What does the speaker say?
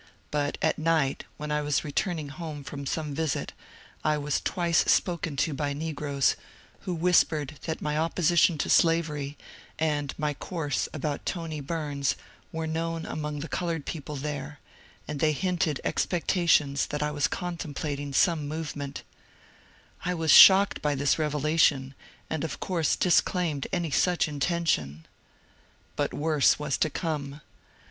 But at night when I was returning home from some visit I was twice spoken to by negroes, who whispered that my op position to slavery and my course about Tony Bums were known among the coloured people there, and they hinted ex pectations that I was contemplating some movement I was shocked by this revelation, and of course disclaimed any such intention. But worse was to come.